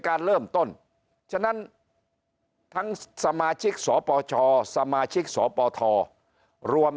การเริ่มต้นฉะนั้นทั้งสมาชิกสปชสมาชิกสปทรวม